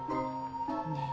ねえ。